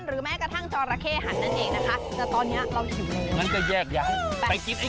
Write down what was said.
หรือแม้กระทั่งจอระเข้ฮันอยู่นั่นเองนะคะ